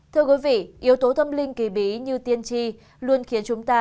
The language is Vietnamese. thưa quý vị yếu tố tâm linh kỳ bí như tiên tri luôn khiến chúng ta